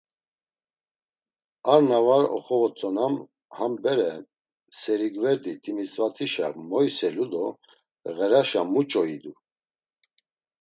Ar na var oxovotzonam, ham bere serigverdi Timisvatişa moyselu do Ğeraşa muç̌o idu?